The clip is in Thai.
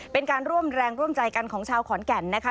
เป็นการร่วมแรงร่วมใจกันของชาวขอนแก่นนะคะ